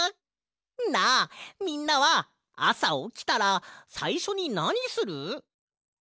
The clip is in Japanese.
なあみんなはあさおきたらさいしょになにする？